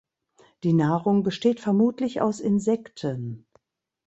Die Nahrung besteht vermutlich aus Insekten.